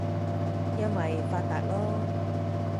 因爲發達囉